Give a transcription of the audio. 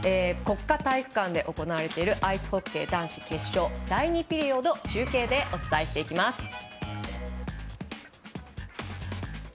国家体育館で行われているアイスホッケー男子決勝第２ピリオド中継でお伝えしていきます。